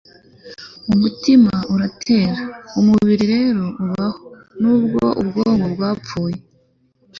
umutima uratera, umubiri rero ubaho, nubwo ubwonko bwapfuye